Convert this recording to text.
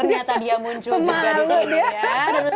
ternyata dia muncul juga disini